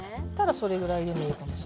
それぐらいでもいいかもしれない。